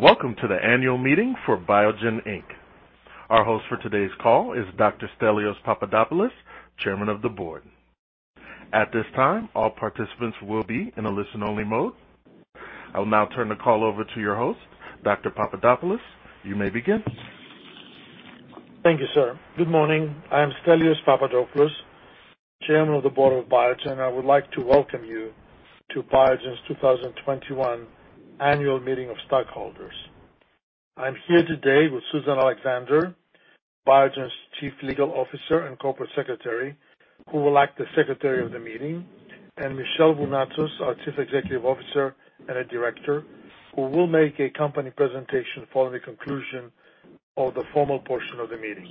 Welcome to the annual meeting for Biogen Inc. Our host for today's call is Dr. Stelios Papadopoulos, Chairman of the Board. At this time, all participants will be in a listen-only mode. I will now turn the call over to your host. Dr. Papadopoulos, you may begin. Thank you, sir. Good morning. I am Stelios Papadopoulos, Chairman of the Board of Biogen, and I would like to welcome you to Biogen's 2021 annual meeting of stockholders. I'm here today with Susan Alexander, Biogen's Chief Legal Officer and Corporate Secretary, who will act as Secretary of the meeting, and Michel Vounatsos, our Chief Executive Officer and a Director, who will make a company presentation following the conclusion of the formal portion of the meeting.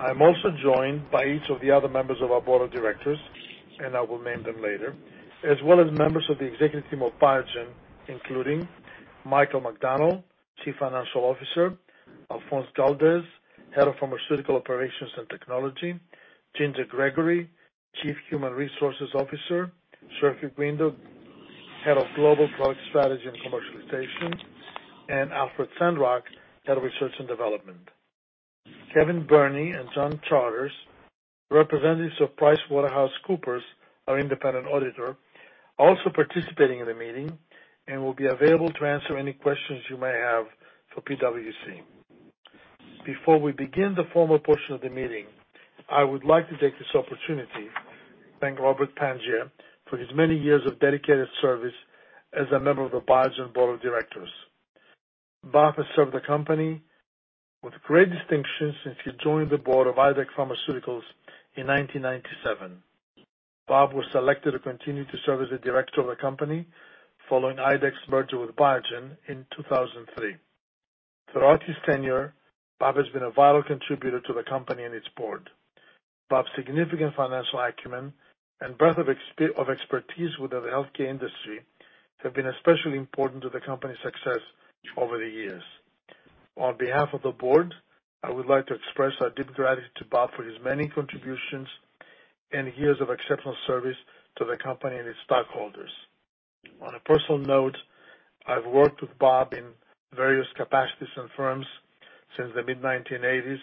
I'm also joined by each of the other members of our Board of Directors, and I will name them later, as well as members of the Executive of Biogen, including Michael McDonnell, Chief Financial Officer, Alphonse Galdes, Head of Pharmaceutical Operations and Technology, Ginger Gregory, Chief Human Resources Officer, Chirfi Guindo, Head of Global Product Strategy and Commercialization, and Alfred Sandrock, Head of Research and Development. Kevin Burney and John Charters, representatives of PricewaterhouseCoopers, our independent auditor, also participating in the meeting and will be available to answer any questions you may have for PwC. Before we begin the formal portion of the meeting, I would like to take this opportunity to thank Robert W. Pangia for his many years of dedicated service as a member of the Biogen board of directors. Bob has served the company with great distinction since he joined the board of IDEC Pharmaceuticals in 1997. Bob was selected to continue to serve as a director of the company following IDEC merger with Biogen in 2003. Throughout his tenure, Bob has been a vital contributor to the company and its board. Bob's significant financial acumen and breadth of expertise within the healthcare industry have been especially important to the company's success over the years. On behalf of the Board, I would like to express our deep gratitude to Bob for his many contributions and years of exceptional service to the company and its stockholders. On a personal note, I've worked with Bob in various capacities and firms since the mid-1980s.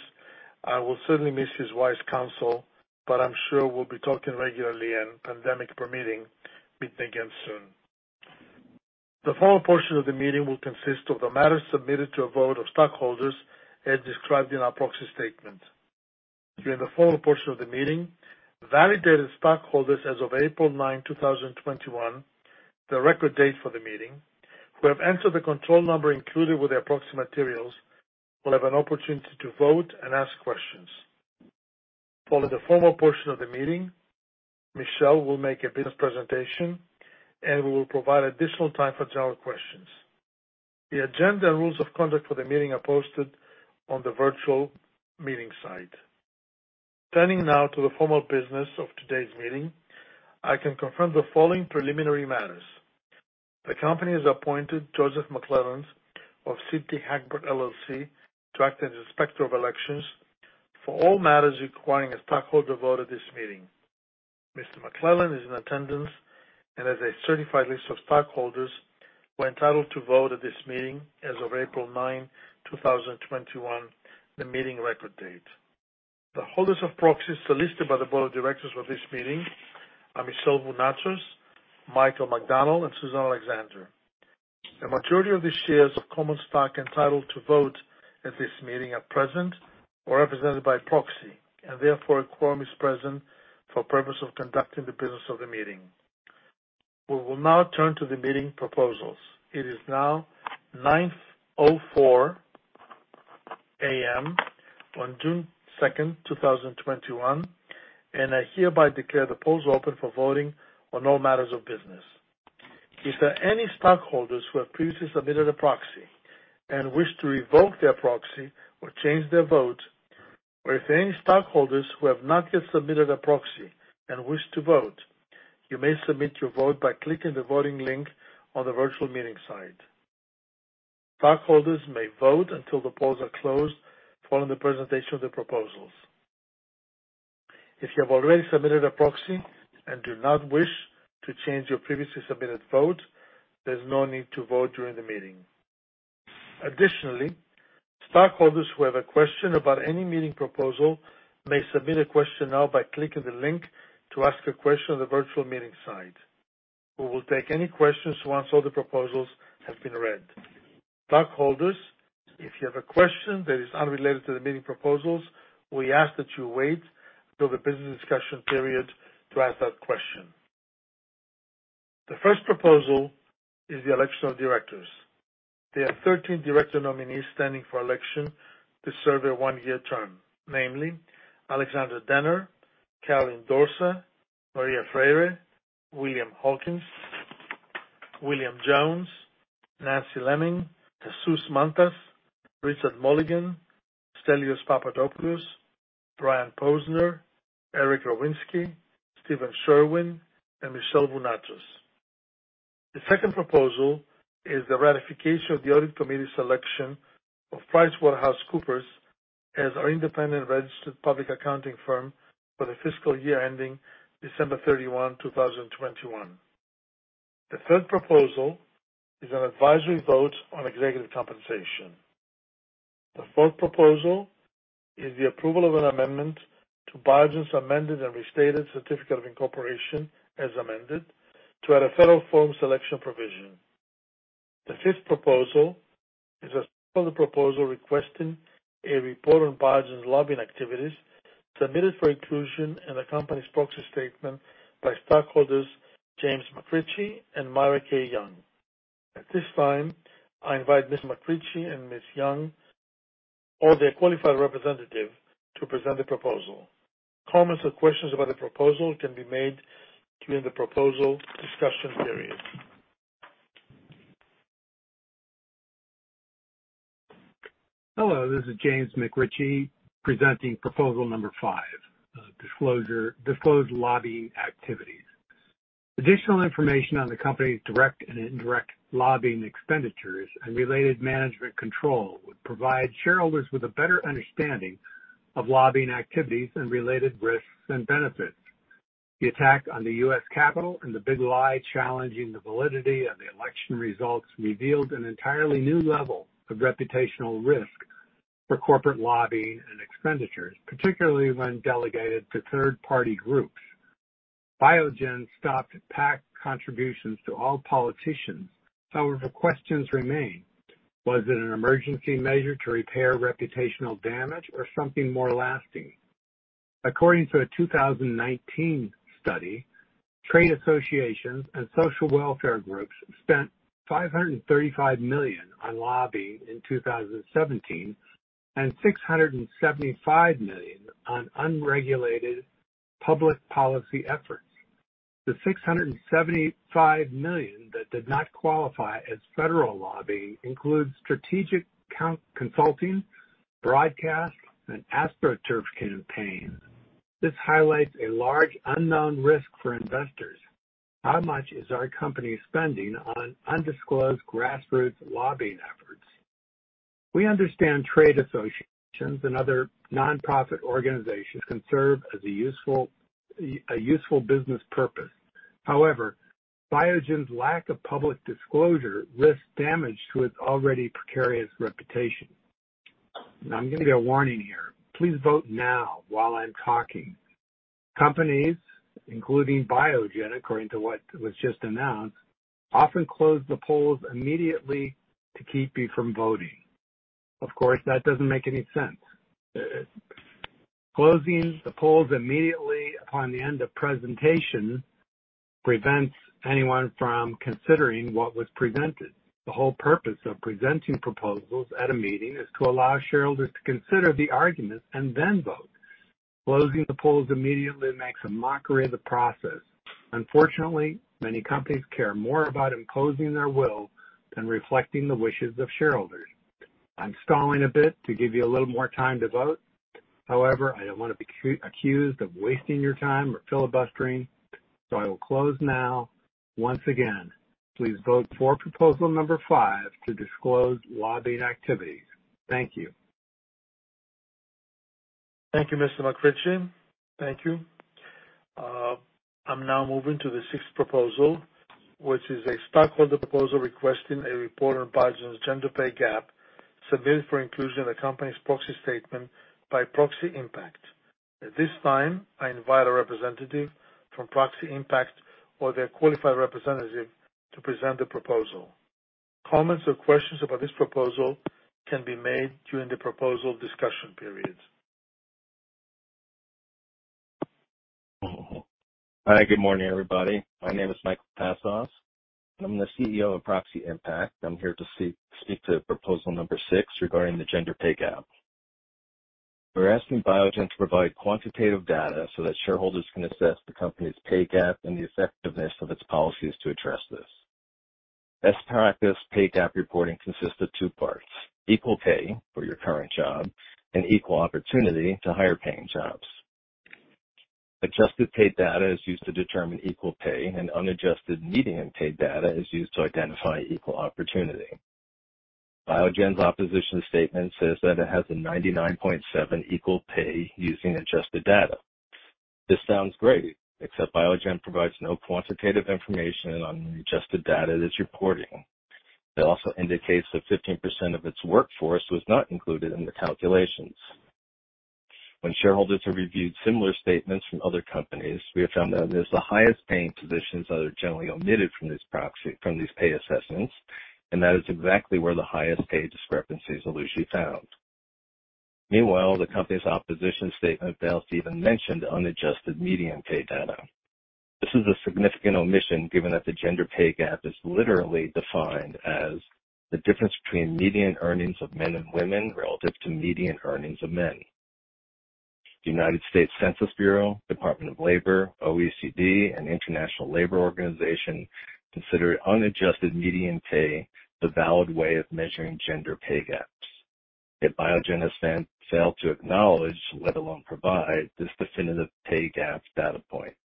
I will certainly miss his wise counsel, but I'm sure we'll be talking regularly and, pandemic permitting, meet again soon. The formal portion of the meeting will consist of the matters submitted to a vote of stockholders as described in our proxy statement. During the formal portion of the meeting, validated stockholders as of April 9, 2021, the record date for the meeting, who have entered the control number included with their proxy materials, will have an opportunity to vote and ask questions. Following the formal portion of the meeting, Michel will make a business presentation, and we will provide additional time for general questions. The agenda and rules of conduct for the meeting are posted on the virtual meeting site. Turning now to the formal business of today's meeting, I can confirm the following preliminary matters. The company has appointed Joseph McClellan of CT Hagberg LLC to act as Inspector of Elections for all matters requiring a stockholder vote at this meeting. Mr. McClellan is in attendance and has a certified list of stockholders who are entitled to vote at this meeting as of April 9, 2021, the meeting record date. The holders of proxies solicited by the board of directors for this meeting are Michel Vounatsos, Michael McDonnell, and Susan Alexander. The majority of the shares of common stock entitled to vote at this meeting are present or represented by proxy, and therefore, a quorum is present for purpose of conducting the business of the meeting. We will now turn to the meeting proposals. It is now 9:04 A.M. on June 2nd, 2021, and I hereby declare the polls open for voting on all matters of business. If there are any stockholders who have previously submitted a proxy and wish to revoke their proxy or change their vote, or if there are any stockholders who have not yet submitted a proxy and wish to vote, you may submit your vote by clicking the voting link on the virtual meeting site. Stockholders may vote until the polls are closed following the presentation of the proposals. If you have already submitted a proxy and do not wish to change your previously submitted vote, there is no need to vote during the meeting. Additionally, stockholders who have a question about any meeting proposal may submit a question now by clicking the link to ask a question on the virtual meeting site. We will take any questions once all the proposals have been read. Stockholders, if you have a question that is unrelated to the meeting proposals, we ask that you wait till the business discussion period to ask that question. The first proposal is the election of directors. There are 13 director nominees standing for election to serve a one-year term, namely Alexander Denner, Caroline Dorsa, Maria Freire, William Hawkins, William D. Jones, Nancy Leaming, Jesús Mantas, Richard C. Mulligan, Stelios Papadopoulos, Brian Posner, Eric K. Rowinsky, Stephen A. Sherwin, and Michel Vounatsos. The second proposal is the ratification of the audit committee's election of PricewaterhouseCoopers as our independent registered public accounting firm for the fiscal year ending December 31, 2021. The third proposal is an advisory vote on executive compensation. The fourth proposal is the approval of an amendment to Biogen's amended and restated certificate of incorporation as amended to add a federal forum selection provision. The fifth proposal is a shareholder proposal requesting a report on Biogen's lobbying activities submitted for inclusion in the company's proxy statement by stockholders James McRitchie and Myra K. Young. At this time, I invite Mr. McRitchie and Ms. Young or their qualified representative to present the proposal. Comments or questions about the proposal can be made during the proposal discussion period. Hello, this is James McRitchie presenting proposal number five, disclose lobbying activities. Additional information on the company's direct and indirect lobbying expenditures and related management control would provide shareholders with a better understanding of lobbying activities and related risks and benefits. The attack on the U.S. Capitol and the big lie challenging the validity of the election results revealed an entirely new level of reputational risk for corporate lobbying and expenditures, particularly when delegated to third-party groups. Biogen stopped PAC contributions to all politicians. Questions remain. Was it an emergency measure to repair reputational damage or something more lasting? According to a 2019 study, trade associations and social welfare groups spent $535 million on lobbying in 2017 and $675 million on unregulated public policy efforts. The $675 million that did not qualify as federal lobbying includes strategic consulting, broadcasts, and astroturf campaigns. This highlights a large unknown risk for investors. How much is our company spending on undisclosed grassroots lobbying efforts? We understand trade associations and other nonprofit organizations can serve a useful business purpose. However, Biogen's lack of public disclosure risks damage to its already precarious reputation. Now, I'm giving a warning here. Please vote now while I'm talking. Companies, including Biogen, according to what was just announced, often close the polls immediately to keep you from voting. Of course, that doesn't make any sense. Closing the polls immediately upon the end of presentation prevents anyone from considering what was presented. The whole purpose of presenting proposals at a meeting is to allow shareholders to consider the argument and then vote. Closing the polls immediately makes a mockery of the process. Unfortunately, many companies care more about imposing their will than reflecting the wishes of shareholders. I'm stalling a bit to give you a little more time to vote. However, I don't want to be accused of wasting your time or filibustering, so I will close now. Once again, please vote for proposal number five to disclose lobbying activities. Thank you. Thank you, Mr. McRitchie. Thank you. I am now moving to the sixth proposal, which is a stockholder proposal requesting a report on Biogen's gender pay gap submitted for inclusion in the company's proxy statement by Proxy Impact. At this time, I invite a representative from Proxy Impact or their qualified representative to present the proposal. Comments or questions about this proposal can be made during the proposal discussion period. Hi, good morning, everybody. My name is Michael Passoff. I'm the CEO of Proxy Impact. I'm here to speak to proposal number six regarding the gender pay gap. We're asking Biogen to provide quantitative data so that shareholders can assess the company's pay gap and the effectiveness of its policies to address this. Best practice pay gap reporting consists of two parts, equal pay for your current job and equal opportunity to higher paying jobs. Adjusted pay data is used to determine equal pay, and unadjusted median pay data is used to identify equal opportunity. Biogen's opposition statement says that it has a 99.7% equal pay using adjusted data. This sounds great, except Biogen provides no quantitative information on the adjusted data that it's reporting. It also indicates that 15% of its workforce was not included in the calculations. When shareholders have reviewed similar statements from other companies, we have found that it is the highest paying positions that are generally omitted from these pay assessments, and that is exactly where the highest pay discrepancies usually found. Meanwhile, the company's opposition statement fails to even mention unadjusted median pay data. This is a significant omission given that the gender pay gap is literally defined as the difference between median earnings of men and women relative to median earnings of men. The United States Census Bureau, Department of Labor, OECD, and International Labour Organization consider unadjusted median pay the valid way of measuring gender pay gaps, yet Biogen has failed to acknowledge, let alone provide, this definitive pay gap data point.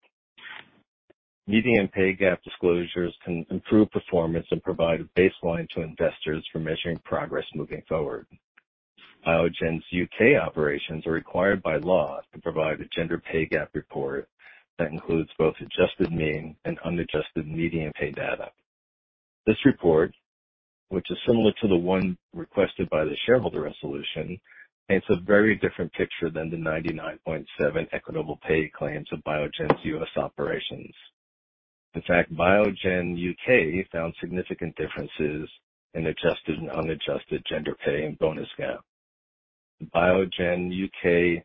Median pay gap disclosures can improve performance and provide a baseline to investors for measuring progress moving forward. Biogen UK are required by law to provide a gender pay gap report that includes both adjusted mean and unadjusted median pay data. This report, which is similar to the one requested by the shareholder resolution, paints a very different picture than the 99.7% equitable pay claims of Biogen's U.S. operations. In fact, Biogen UK found significant differences in adjusted and unadjusted gender pay and bonus gap. Biogen UK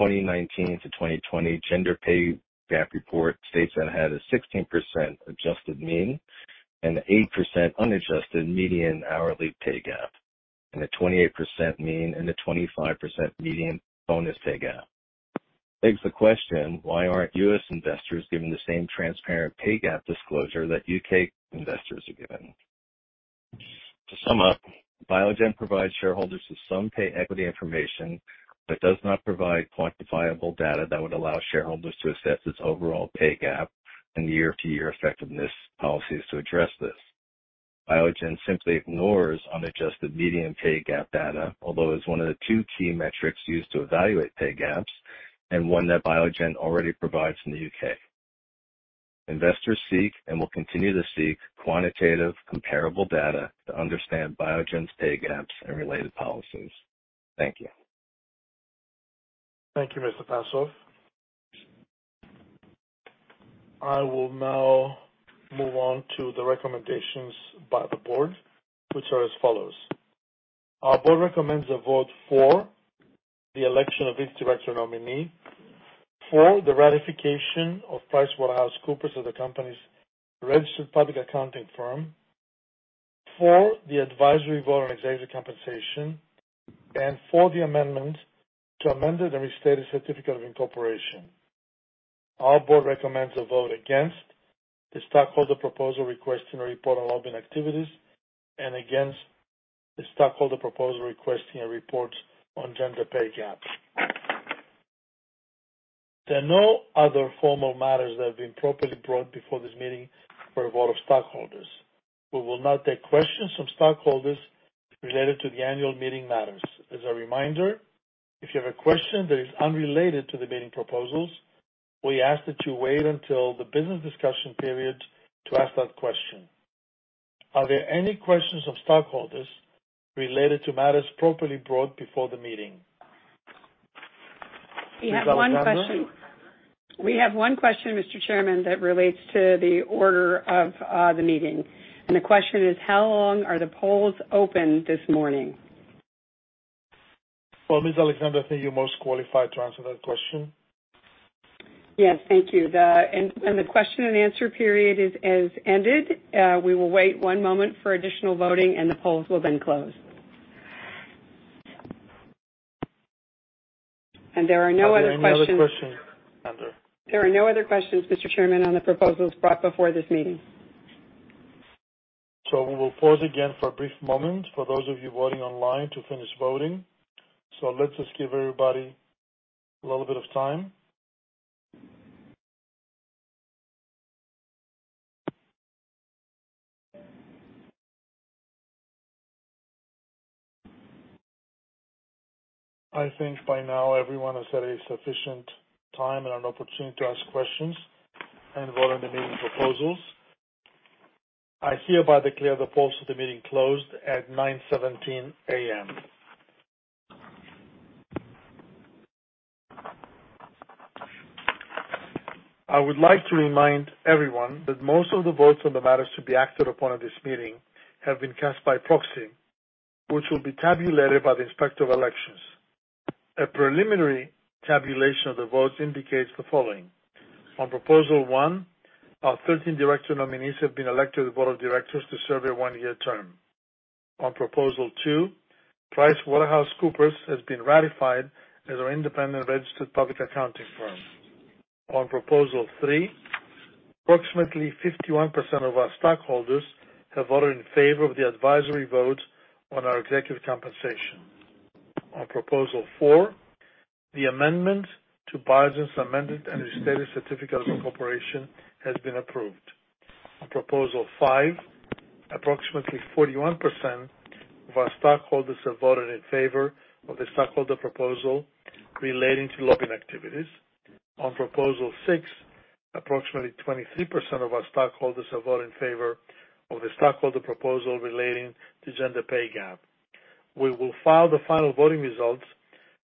2019-2020 gender pay gap report states that it had a 16% adjusted mean and 8% unadjusted median hourly pay gap, and a 28% mean and a 25% median bonus pay gap. It begs the question, why aren't U.S. investors given the same transparent pay gap disclosure that U.K. investors are given? To sum up, Biogen provides shareholders with some pay equity information but does not provide quantifiable data that would allow shareholders to assess its overall pay gap and year-to-year effectiveness policies to address this. Biogen simply ignores unadjusted median pay gap data, although it is one of the two key metrics used to evaluate pay gaps and one that Biogen already provides in the U.K. Investors seek, and will continue to seek, quantitative comparable data to understand Biogen's pay gaps and related policies. Thank you. Thank you, Mr. Passoff. I will now move on to the recommendations by the board, which are as follows. Our board recommends a vote for the election of its director nominee, for the ratification of PricewaterhouseCoopers as the company's registered public accounting firm, for the advisory vote on executive compensation, and for the amendment to amend the restated certificate of incorporation. Our board recommends a vote against the stockholder proposal requesting a report on lobbying activities and against the stockholder proposal requesting a report on gender pay gap. There are no other formal matters that have been properly brought before this meeting for a vote of stockholders. We will now take questions from stockholders related to the annual meeting matters. As a reminder, if you have a question that is unrelated to the meeting proposals, we ask that you wait until the business discussion period to ask that question. Are there any questions of stockholders related to matters properly brought before the meeting? Ms. Alexander? We have one question, Mr. Chairman, that relates to the order of the meeting. The question is, how long are the polls open this morning? Ms. Alexander, I think you're most qualified to answer that question. Yes. Thank you. The question-and-answer period has ended. We will wait one moment for additional voting, and the polls will then close. There are no other questions. Are there any other questions, Ms. Alexander? There are no other questions, Mr. Chairman, on the proposals brought before this meeting. We will pause again for a brief moment for those of you voting online to finish voting. Let's just give everybody a little bit of time. I think by now everyone has had a sufficient time and an opportunity to ask questions and vote on the meeting proposals. I hereby declare the polls of the meeting closed at 9:17 A.M. I would like to remind everyone that most of the votes on the matters to be acted upon at this meeting have been cast by proxy, which will be tabulated by the Inspector of Elections. A preliminary tabulation of the votes indicates the following. On proposal one, our 13 director nominees have been elected to the Board of Directors to serve a one-year term. On proposal two, PricewaterhouseCoopers has been ratified as our independent registered public accounting firm. On proposal three, approximately 51% of our stockholders have voted in favor of the advisory vote on our executive compensation. On proposal four, the amendment to Biogen's amended and restated certificate of incorporation has been approved. On proposal five, approximately 41% of our stockholders have voted in favor of the stockholder proposal relating to lobbying activities. On proposal six, approximately 23% of our stockholders have voted in favor of the stockholder proposal relating to gender pay gap. We will file the final voting results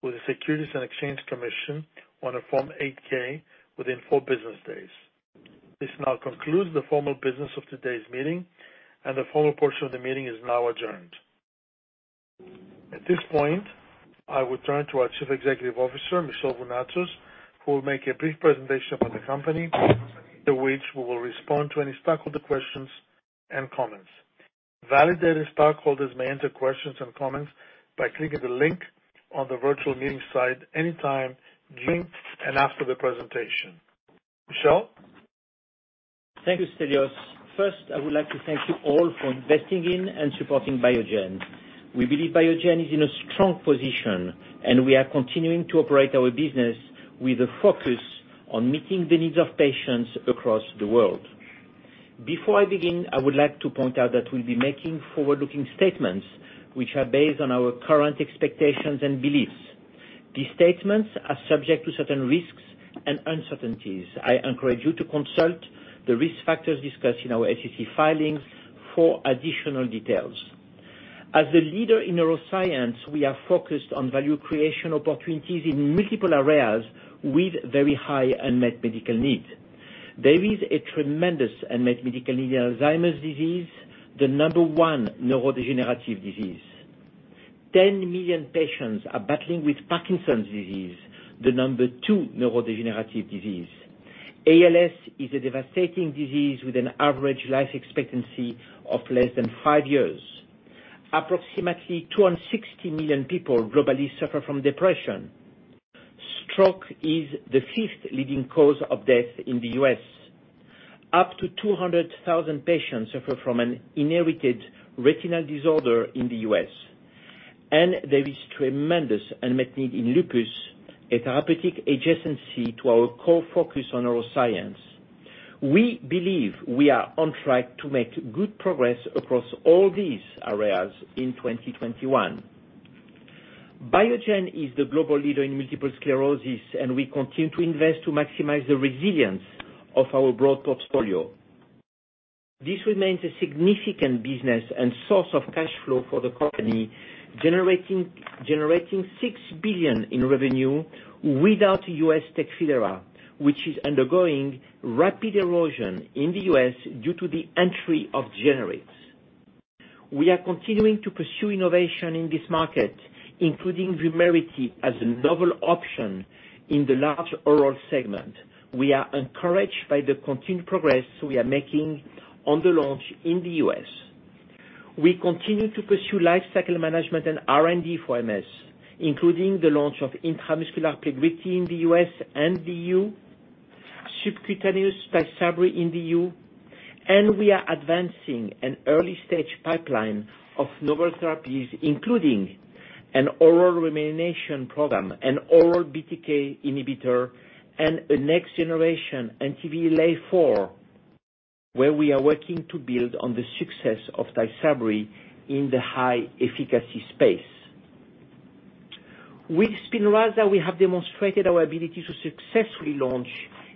with the Securities and Exchange Commission on a Form 8-K within four business days. This now concludes the formal business of today's meeting, and the formal portion of the meeting is now adjourned. At this point, I will turn to our Chief Executive Officer, Michel Vounatsos, who will make a brief presentation about the company, after which we will respond to any stockholder questions and comments. Validated stockholders may enter questions and comments by clicking the link on the virtual meeting site anytime during and after the presentation. Michel? Thank you, Stelios. I would like to thank you all for investing in and supporting Biogen. We believe Biogen is in a strong position, and we are continuing to operate our business with a focus on meeting the needs of patients across the world. Before I begin, I would like to point out that we'll be making forward-looking statements which are based on our current expectations and beliefs. These statements are subject to certain risks and uncertainties. I encourage you to consult the risk factors discussed in our SEC filings for additional details. As a leader in neuroscience, we are focused on value creation opportunities in multiple areas with very high unmet medical need. There is a tremendous unmet medical need in Alzheimer's disease, the number one neurodegenerative disease. 10 million patients are battling with Parkinson's disease, the number two neurodegenerative disease. ALS is a devastating disease with an average life expectancy of less than five years. Approximately 260 million people globally suffer from depression. Stroke is the fifth leading cause of death in the U.S. Up to 200,000 patients suffer from an inherited retinal disorder in the U.S., and there is tremendous unmet need in lupus, a therapeutic adjacency to our core focus on neuroscience. We believe we are on track to make good progress across all these areas in 2021. Biogen is the global leader in multiple sclerosis, and we continue to invest to maximize the resilience of our broad portfolio. This remains a significant business and source of cash flow for the company, generating $6 billion in revenue without U.S. TECFIDERA, which is undergoing rapid erosion in the U.S. due to the entry of generics. We are continuing to pursue innovation in this market, including VUMERITY as a novel option in the large oral segment. We are encouraged by the continued progress we are making on the launch in the U.S. We continue to pursue lifecycle management and R&D for MS, including the launch of intramuscular PLEGRIDY in the U.S. and the E.U., subcutaneous TYSABRI in the E.U., and we are advancing an early-stage pipeline of novel therapies, including an oral remyelination program, an oral BTK inhibitor, and a next-generation anti-alpha-4, where we are working to build on the success of TYSABRI in the high-efficacy space. With SPINRAZA, we have demonstrated our ability to successfully launch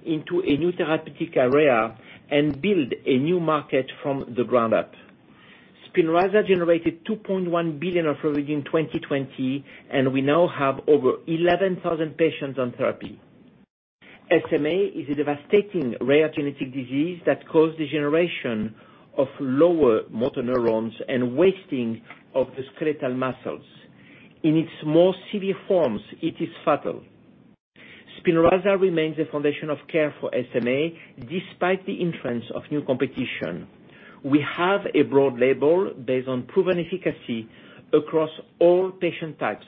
into a new therapeutic area and build a new market from the ground up. SPINRAZA generated $2.1 billion of revenue in 2020, and we now have over 11,000 patients on therapy. SMA is a devastating rare genetic disease that causes degeneration of lower motor neurons and wasting of the skeletal muscles. In its more severe forms, it is fatal. SPINRAZA remains the foundation of care for SMA despite the entrance of new competition. We have a broad label based on proven efficacy across all patient types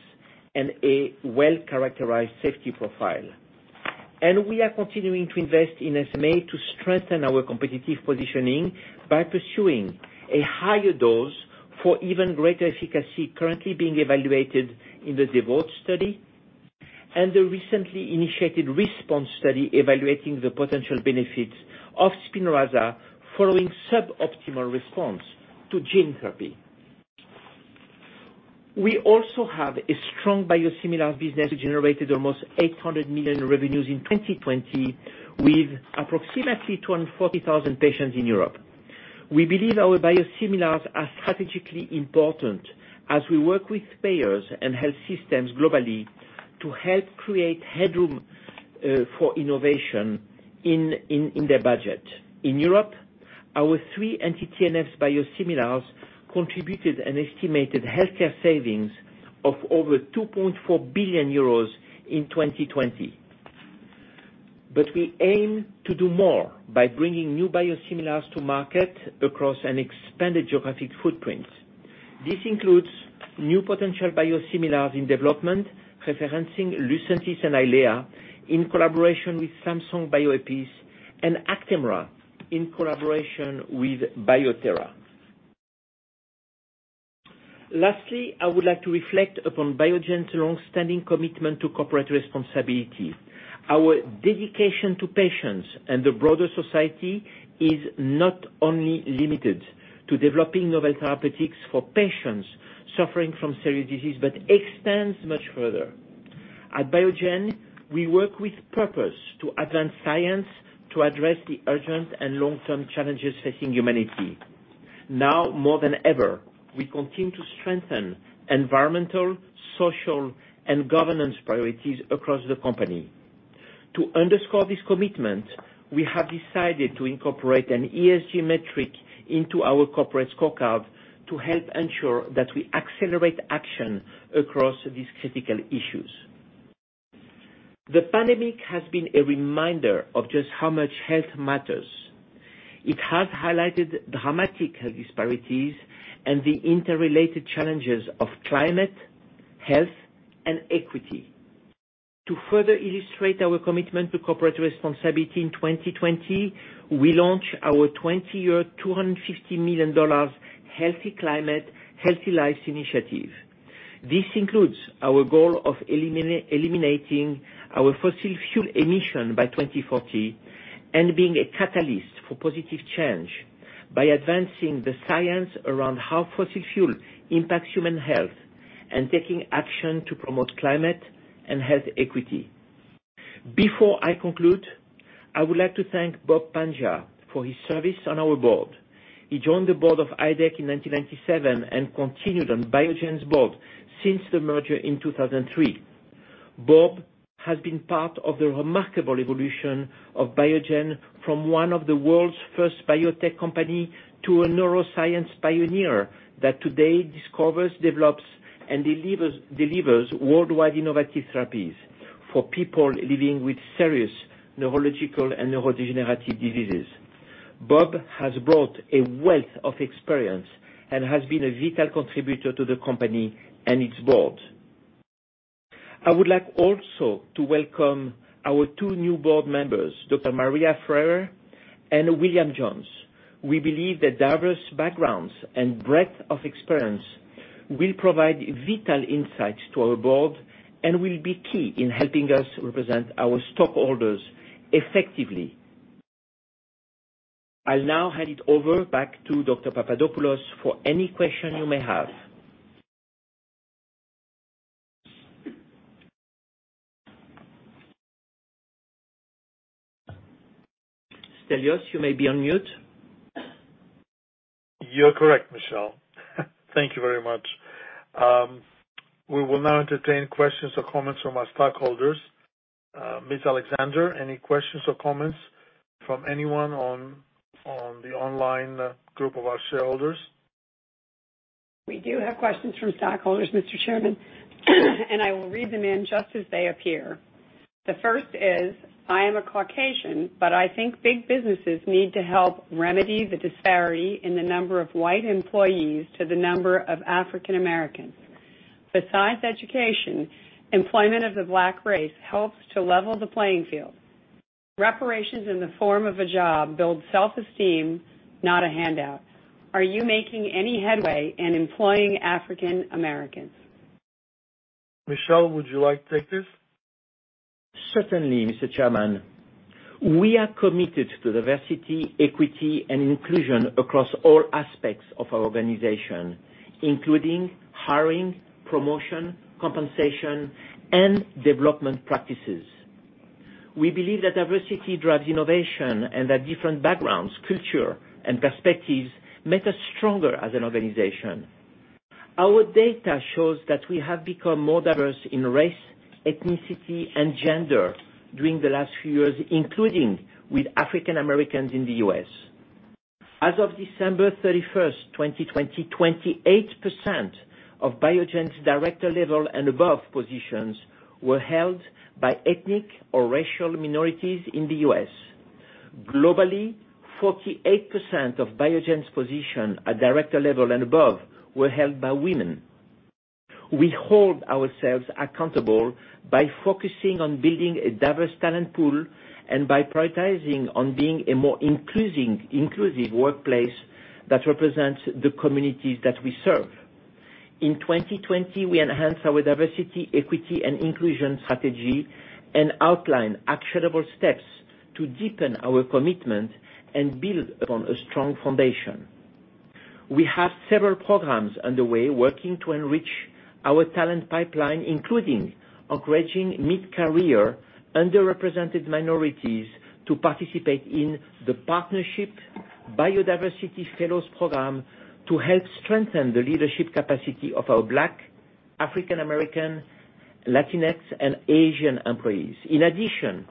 and a well-characterized safety profile. We are continuing to invest in SMA to strengthen our competitive positioning by pursuing a higher dose for even greater efficacy currently being evaluated in the DEVOTE study and the recently initiated RESPOND study evaluating the potential benefits of SPINRAZA following suboptimal response to gene therapy. We also have a strong biosimilar business that generated almost $800 million in revenues in 2020 with approximately 240,000 patients in Europe. We believe our biosimilars are strategically important as we work with payers and health systems globally to help create headroom for innovation in their budget. In Europe, our three anti-TNF biosimilars contributed an estimated healthcare savings of over 2.4 billion euros in 2020. We aim to do more by bringing new biosimilars to market across an expanded geographic footprint. This includes new potential biosimilars in development, referencing Lucentis and EYLEA in collaboration with Samsung Bioepis and ACTEMRA in collaboration with Bio-Thera Solutions. Lastly, I would like to reflect upon Biogen's longstanding commitment to corporate responsibility. Our dedication to patients and the broader society is not only limited to developing novel therapeutics for patients suffering from severe disease but extends much further. At Biogen, we work with purpose to advance science to address the urgent and long-term challenges facing humanity. Now more than ever, we continue to strengthen environmental, social, and governance priorities across the company. To underscore this commitment, we have decided to incorporate an ESG metric into our corporate scorecard to help ensure that we accelerate action across these critical issues. The pandemic has been a reminder of just how much health matters. It has highlighted dramatic health disparities and the interrelated challenges of climate, health, and equity. To further illustrate our commitment to corporate responsibility in 2020, we launched our 20-year, $250 million Healthy Climate, Healthy Lives initiative. This includes our goal of eliminating our fossil fuel emission by 2040 and being a catalyst for positive change by advancing the science around how fossil fuels impact human health and taking action to promote climate and health equity. Before I conclude, I would like to thank Robert W. Pangia for his service on our board. He joined the board of IDEC in 1997 and continued on Biogen's board since the merger in 2003. Bob has been part of the remarkable evolution of Biogen from one of the world's first biotech company to a neuroscience pioneer that today discovers, develops, and delivers worldwide innovative therapies for people living with serious neurological and neurodegenerative diseases. Bob has brought a wealth of experience and has been a vital contributor to the company and its board. I would like also to welcome our two new board members, Dr. Maria Freire and William Jones. We believe that diverse backgrounds and breadth of experience will provide vital insights to our board and will be key in helping us represent our stockholders effectively. I'll now hand it over back to Dr. Papadopoulos for any question you may have. Stelios, you may be on mute. You're correct, Michel. Thank you very much. We will now entertain questions or comments from our stockholders. Ms. Alexander, any questions or comments from anyone on the online group of our shareholders? We do have questions from stockholders, Mr. Chairman. I will read them in just as they appear. The first is, "I am a Caucasian, but I think big businesses need to help remedy the disparity in the number of white employees to the number of African-Americans. Besides education, employment of the Black race helps to level the playing field. Reparations in the form of a job builds self-esteem, not a handout. Are you making any headway in employing African-Americans? Michel, would you like to take this? Certainly, Mr. Chairman. We are committed to diversity, equity, and inclusion across all aspects of our organization, including hiring, promotion, compensation, and development practices. We believe that diversity drives innovation and that different backgrounds, culture, and perspectives make us stronger as an organization. Our data shows that we have become more diverse in race, ethnicity, and gender during the last few years, including with African-Americans in the U.S. As of December 31st, 2020, 28% of Biogen's director level and above positions were held by ethnic or racial minorities in the U.S. Globally, 48% of Biogen's position at director level and above were held by women. We hold ourselves accountable by focusing on building a diverse talent pool and by prioritizing on being a more inclusive workplace that represents the communities that we serve. In 2020, we enhanced our diversity, equity, and inclusion strategy and outlined actionable steps to deepen our commitment and build upon a strong foundation. We have several programs underway working to enrich our talent pipeline, including encouraging mid-career underrepresented minorities to participate in the partnership BioDiversity Fellows program to help strengthen the leadership capacity of our Black, African American, Latinx, and Asian employees. In addition,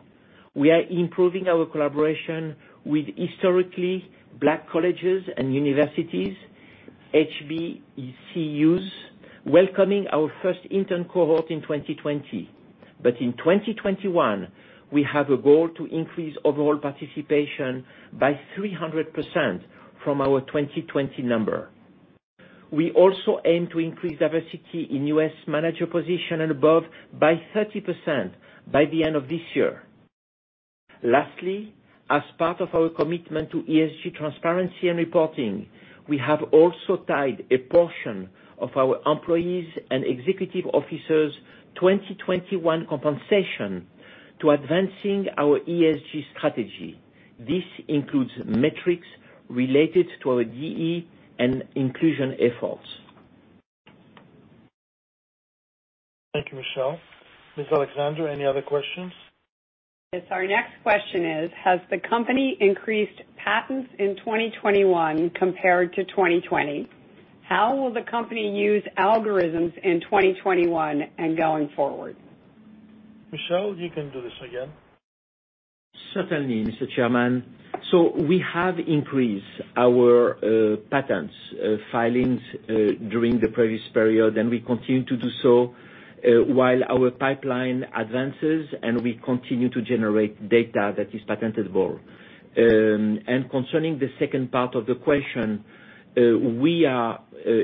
we are improving our collaboration with Historically Black Colleges and Universities, HBCUs, welcoming our first intern cohort in 2020. In 2021, we have a goal to increase overall participation by 300% from our 2020 number. We also aim to increase diversity in U.S. manager position and above by 30% by the end of this year. As part of our commitment to ESG transparency and reporting, we have also tied a portion of our employees' and executive officers' 2021 compensation to advancing our ESG strategy. This includes metrics related to our DE&I inclusion efforts. Thank you, Michel. Ms. Alexander, any other questions? Yes. Our next question is, "Has the company increased patents in 2021 compared to 2020? How will the company use algorithms in 2021 and going forward? Michel, you can do this again. Certainly, Mr. Chairman. We have increased our patent filings during the previous period, and we continue to do so while our pipeline advances and we continue to generate data that is patentable. Concerning the second part of the question, we are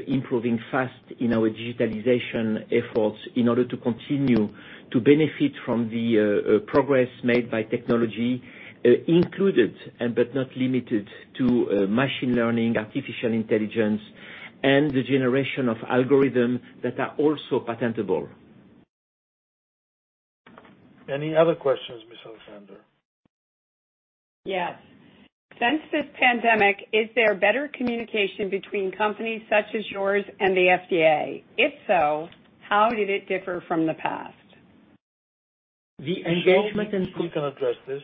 improving fast in our digitalization efforts in order to continue to benefit from the progress made by technology included, but not limited to machine learning, artificial intelligence, and the generation of algorithms that are also patentable. Any other questions, Ms. Alexander? Yes. Since this pandemic, is there better communication between companies such as yours and the FDA? If so, how did it differ from the past? The engagement and- Michel, please can address this?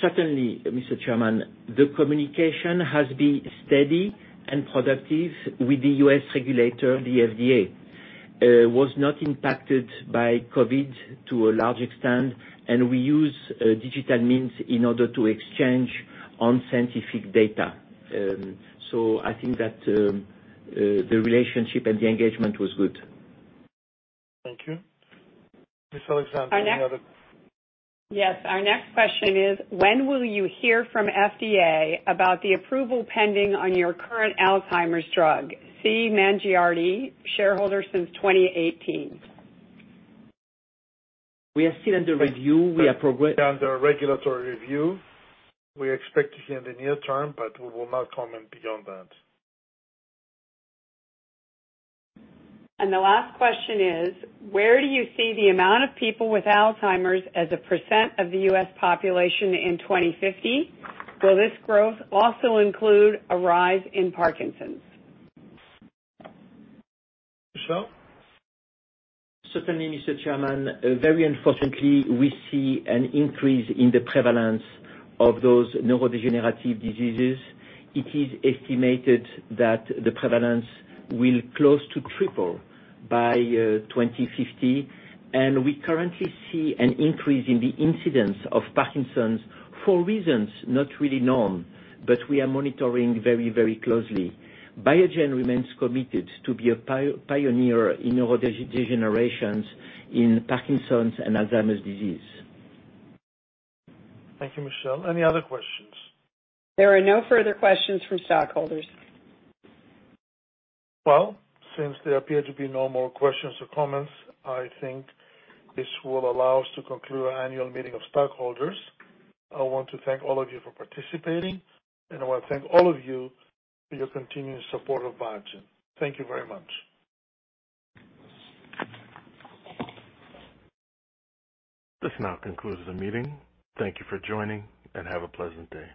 Certainly, Mr. Chairman. The communication has been steady and productive with the U.S. regulator, the FDA. Was not impacted by COVID to a large extent, and we use digital means in order to exchange on scientific data. I think that the relationship and the engagement was good. Thank you. Ms. Alexander, do you have it? Yes. Our next question is: When will you hear from FDA about the approval pending on your current Alzheimer's drug? C. Mangiarati, shareholder since 2018. We are still under review. We are progressing under regulatory review. We expect to hear in the near term, but we will not comment beyond that. The last question is: Where do you see the amount of people with Alzheimer's as a % of the U.S. population in 2050? Will this growth also include a rise in Parkinson's? Michel? Certainly, Mr. Chairman. Very unfortunately, we see an increase in the prevalence of those neurodegenerative diseases. It is estimated that the prevalence will close to triple by 2050, and we currently see an increase in the incidence of Parkinson's for reasons not really known, but we are monitoring very closely. Biogen remains committed to be a pioneer in neurodegeneration in Parkinson's and Alzheimer's disease. Thank you, Michel. Any other questions? There are no further questions from stockholders. Well, since there appear to be no more questions or comments, I think this will allow us to conclude our annual meeting of stockholders. I want to thank all of you for participating, and I want to thank all of you for your continued support of Biogen. Thank you very much. This now concludes the meeting. Thank you for joining, and have a pleasant day.